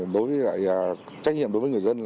đối với trách nhiệm đối với người dân